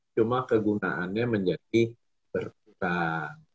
cuma kegunaannya menjadi berkurang